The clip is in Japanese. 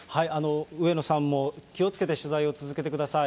上野さんも気をつけて取材を続けてください。